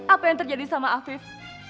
apa yang terjadi sama afif